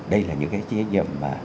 đây là những cái trách nhiệm